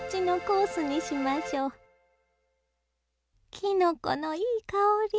きのこのいい香り。